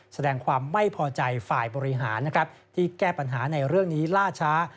แสดงความไม่พอใจฝ่ายบริหารนะครับที่แก้ปัญหาในเรื่องนี้ล่าช้า